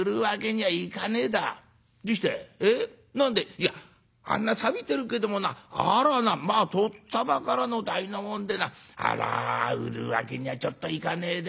「いやあんなさびてるけどもなあれはなとっつぁまからの代のもんでなあら売るわけにはちょっといかねえでな」。